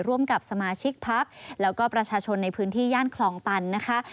ร่วมกับสมาชิกพักแล้วก็ประชาชนในพื้นที่ย่านคลองตันนะคะ